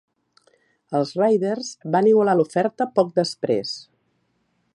Els Raiders van igualar l'oferta poc després.